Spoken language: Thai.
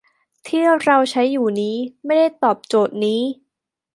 ที่เราใช้อยู่นี้ไม่ได้ตอบโจทย์นี้